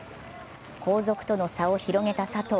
後続との差を広げた佐藤。